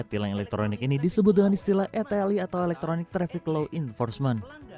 tilang elektronik ini disebut dengan istilah etli atau electronic traffic law enforcement